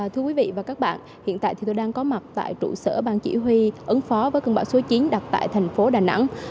thưa quý vị và các bạn hiện tại thì tôi đang có mặt tại trụ sở ban chỉ huy ứng phó với cơn bão số chín đặt tại thành phố đà nẵng